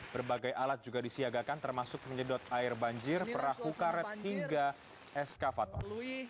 berbagai alat juga disiagakan termasuk menyedot air banjir perahu karet hingga eskavator